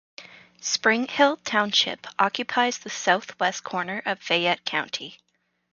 Springhill Township occupies the southwest corner of Fayette County.